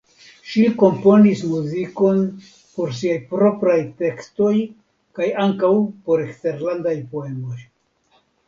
Ŝi komponis muzikon por siaj propraj tekstoj kaj ankaŭ por eksterlandaj poemoj.